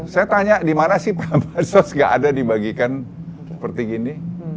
saya tanya di mana sih bansos nggak ada dibagikan seperti gini